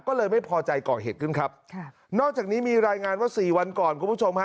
ก็เลยไม่พอใจก่อเหตุขึ้นครับค่ะนอกจากนี้มีรายงานว่าสี่วันก่อนคุณผู้ชมฮะ